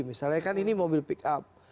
misalnya kan ini mobil pick up